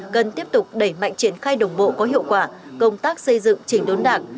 cần tiếp tục đẩy mạnh triển khai đồng bộ có hiệu quả công tác xây dựng chỉnh đốn đảng